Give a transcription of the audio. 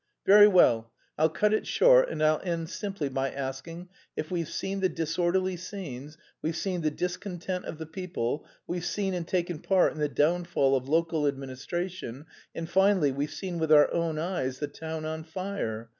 "Very well, I'll cut it short and I'll end simply by asking if we've seen the disorderly scenes, we've seen the discontent of the people, we've seen and taken part in the downfall of local administration, and finally, we've seen with our own eyes the town on fire?